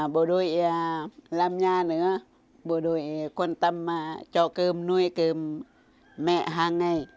bộ đội làm nhà nữa bộ đội quan tâm cho cơm nuôi cơm mẹ hàng ngày